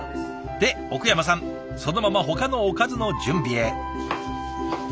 で奥山さんそのままほかのおかずの準備へ。